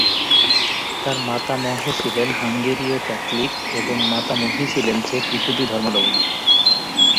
তার মাতামহ ছিলেন হাঙ্গেরীয় ক্যাথলিক এবং মাতামহী ছিলেন চেক ইহুদি ধর্মাবলম্বী।